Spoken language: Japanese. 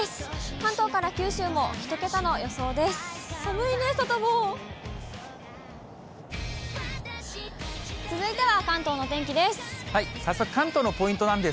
関東から九州も、１桁の予想です。